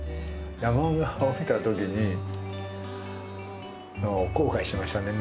山を見た時に後悔しましたね。